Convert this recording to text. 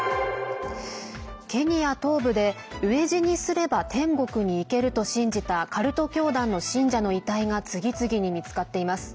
ケニア東部で飢え死にすれば天国に行けると信じたカルト教団の信者の遺体が次々に見つかっています。